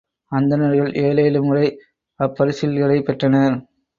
அந்தணர்கள் ஏழேழு முறை அப்பரிசில்களைப் பெற்றனர்.